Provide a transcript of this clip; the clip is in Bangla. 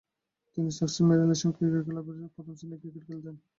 তিনি সাসেক্স ও মেরিলেবোন ক্রিকেট ক্লাবের পক্ষে প্রথম-শ্রেণীর ক্রিকেট খেলতেন।